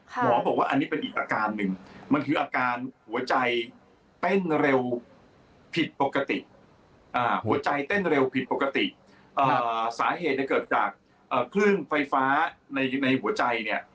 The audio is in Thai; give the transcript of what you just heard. หมอบอกว่าอันนี้เป็นอีกอาการหนึ่งมันคืออาการหัวใจเต้นเร็วผิดปกติหัวใจเต้นเร็วผิดปกติสาเหตุเกิดจากเครื่องไฟฟ้าในหัวใจเนี่ย